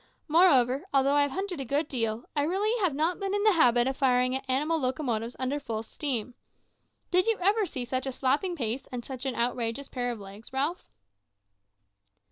Moreover, although I have hunted a good deal, I really have not been in the habit of firing at animal locomotives under full steam. Did you ever see such a slapping pace and such an outrageous pair of legs, Ralph?"